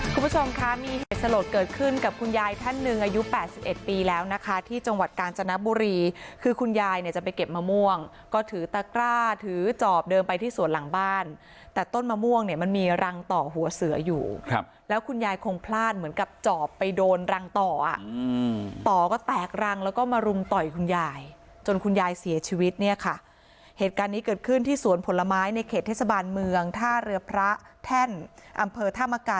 คุณผู้ชมคะมีเหตุสลดเกิดขึ้นกับคุณยายท่านหนึ่งอายุแปดสิบเอ็ดปีแล้วนะคะที่จังหวัดกาลจนบุรีคือคุณยายเนี่ยจะไปเก็บมะม่วงก็ถือตะกร่าถือจอบเดินไปที่สวนหลังบ้านแต่ต้นมะม่วงเนี่ยมันมีรังต่อหัวเสืออยู่ครับแล้วคุณยายคงพลาดเหมือนกับจอบไปโดนรังต่ออ่ะอืมต่อก็แตกรังแล้วก็มา